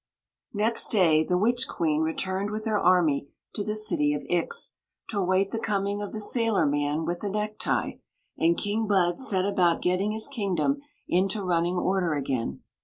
Next day the witch queen returned with her army to the city of Ix, to await the coming of the sailorman with the necktie, and King Bud set about getting his kingdom into running order again.